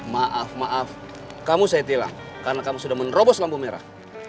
maaf maaf kamu saya tilang karena kamu sudah menerobos lampu merah